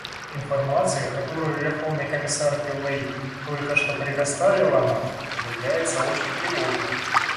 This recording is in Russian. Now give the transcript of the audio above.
Информация, которую Верховный комиссар Пиллэй только что предоставила нам, является очень тревожной.